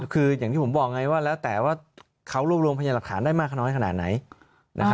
คืออย่างที่ผมบอกไงว่าแล้วแต่ว่าเขารวบรวมพยานหลักฐานได้มากน้อยขนาดไหน